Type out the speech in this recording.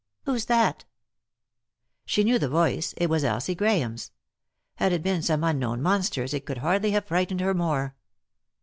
"Who's that?" She knew the voice, it was Elsie Grahame's ; had it been some unknown monster's it could hardly have frightened her more.